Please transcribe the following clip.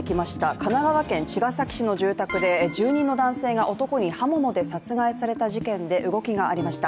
神奈川県茅ヶ崎市の住宅で住人の男性が男に刃物で殺害された事件で動きがありました。